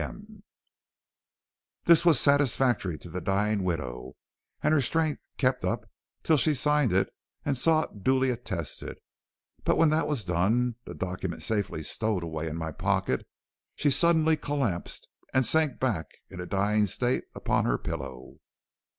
M. } "This was satisfactory to the dying widow, and her strength kept up till she signed it and saw it duly attested; but when that was done, and the document safely stowed away in my pocket, she suddenly collapsed and sank back in a dying state upon her pillow.